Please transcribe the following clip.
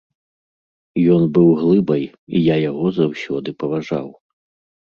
Ён быў глыбай, і я яго заўсёды паважаў.